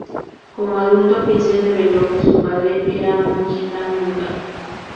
Como adulto, Prinze develó que su padre era un gitano húngaro.